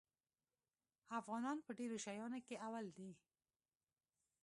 افغانان په ډېرو شیانو کې اول دي.